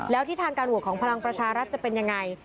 แล้วทิศทางการโหวตของพลังประชารัฐจะเป็นยังไง